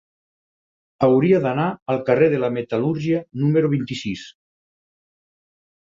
Hauria d'anar al carrer de la Metal·lúrgia número vint-i-sis.